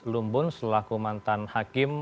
lumbun selaku mantan hakim